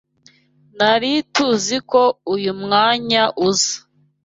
Nari tuziko uyu mwanya uza.